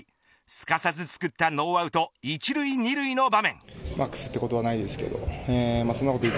すかさずつくったノーアウト一塁二塁の場面。